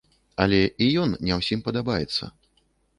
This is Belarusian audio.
Але і ён не ўсім падабаецца.